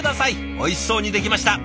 おいしそうにできました。